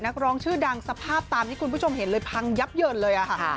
นักร้องชื่อดังสภาพตามที่คุณผู้ชมเห็นเลยพังยับเยินเลยค่ะ